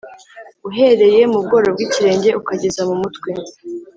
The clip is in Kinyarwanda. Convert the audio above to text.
uhereye mu bworo bw’ikirenge ukageza mu mutwe